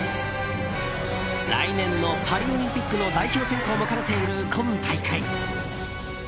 来年のパリオリンピックの代表選考も兼ねている今大会。